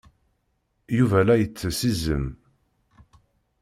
Yuba la ittess iẓem.